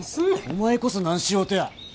お前こそ何しようとや。